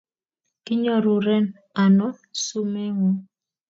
Kinyoruren ano sumeguuk?